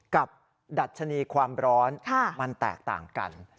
ดัชนีความร้อนมันแตกต่างกัน